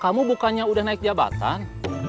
kamu bukannya udah naik jabatan